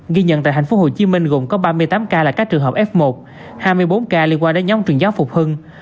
ghi nhận tại tp hcm gồm có ba mươi tám ca là các trường hợp f một hai mươi bốn ca liên quan đến nhóm truyền giáo phục hưng